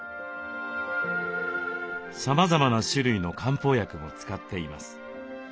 さまざまな種類の漢方薬も使っています。